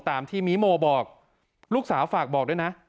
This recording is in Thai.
ตามที่มิโมบอกลูกสาวฝากบอกด้วยนะ